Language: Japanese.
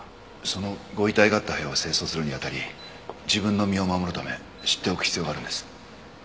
そのご遺体があった部屋を清掃するに当たり自分の身を守るため知っておく必要があるんです。